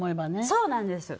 そうなんです。